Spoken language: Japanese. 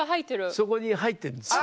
そこに入ってんですよ。